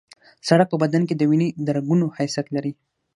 سړک په بدن کې د وینې د رګونو حیثیت لري